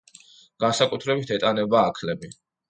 განსაკუთრებით ეტანება აქლემი.